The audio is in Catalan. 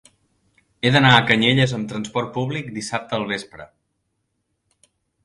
He d'anar a Canyelles amb trasport públic dissabte al vespre.